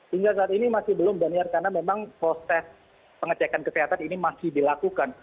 hingga saat ini masih belum daniar karena memang proses pengecekan kesehatan ini masih dilakukan